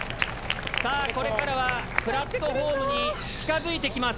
さあこれからはプラットホームに近づいてきます。